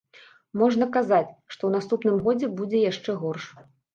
Можна казаць, што ў наступным годзе будзе яшчэ горш.